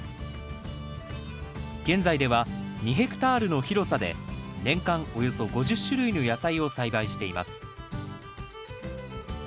現在では２ヘクタールの広さで年間およそ５０種類の野菜を栽培しています